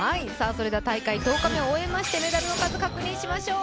それでは大会１０日目を終えましてメダルの数を確認しましょう。